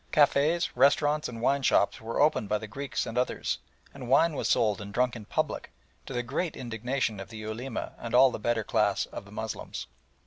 Cafés, restaurants, and wine shops were opened by the Greeks and others, and wine was sold and drunk in public, to the great indignation of the Ulema and all the better class of the Moslems.